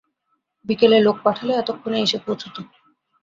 বিকেলে লোক পাঠালে এতক্ষণে এসে পৌছত!